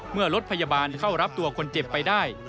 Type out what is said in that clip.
เมื่อรถพยาบาลเข้ารับตัวคนเจ็บไปได้